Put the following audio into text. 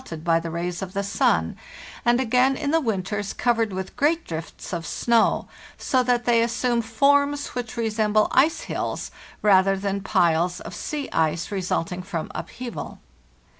WE SAY GOOD BYE TO THE "FRAM" 141 by the rays of the sun, and again in the winters covered with great drifts of snow, so that they assume forms which resemble ice hills rather than piles of sea ice result ing from upheaval.